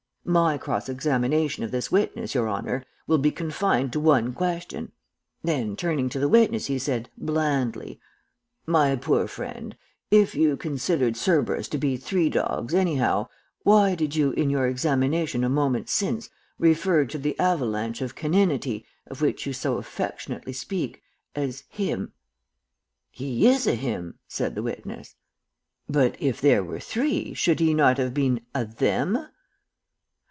"'My cross examination of this witness, your honor, will be confined to one question.' Then turning to the witness he said, blandly: 'My poor friend, if you considered Cerberus to be three dogs anyhow, why did you in your examination a moment since refer to the avalanche of caninity, of which you so affectingly speak, as him?' "'He is a him,' said the witness. "'But if there were three, should he not have been a them?'